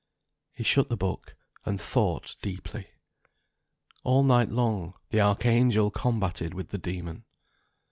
He shut the book, and thought deeply. All night long, the Archangel combated with the Demon.